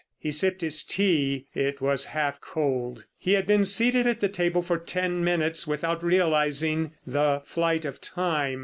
He sipped his tea—it was half cold. He had been seated at the table for ten minutes without realising the flight of time.